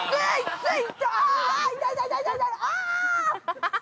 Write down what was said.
◆ハハハハ。